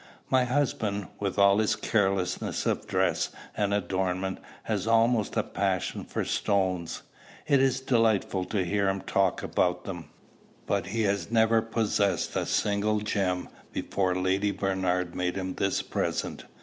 My husband, with all his carelessness of dress and adornment, has almost a passion for stones. It is delightful to hear him talk about them. But he had never possessed a single gem before Lady Bernard made him this present.